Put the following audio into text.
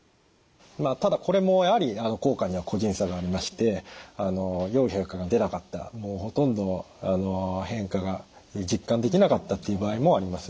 ただこれもやはり効果には個人差がありましてよい変化が出なかったほとんど変化が実感できなかったという場合もあります。